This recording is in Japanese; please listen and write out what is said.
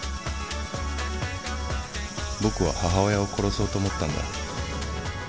僕は母親を殺そうと思ったんだ。